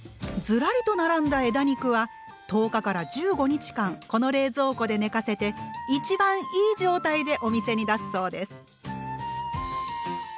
ずらりと並んだ枝肉は１０日から１５日間この冷蔵庫で寝かせて一番いい状態でお店に出すそうです。